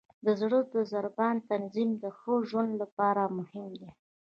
د زړه د ضربان تنظیم د ښه ژوند لپاره مهم دی.